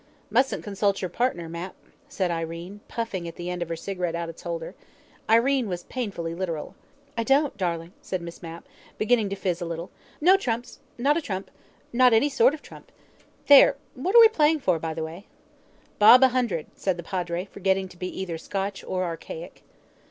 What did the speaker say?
"Mustn't consult your partner, Mapp," said Irene, puffing the end of her cigarette out of its holder. Irene was painfully literal. "I don't, darling," said Miss Mapp, beginning to fizz a little. "No trumps. Not a trump. Not any sort of trump. There! What are we playing for, by the way?" "Bob a hundred," said the Padre, forgetting to be either Scotch or archaic.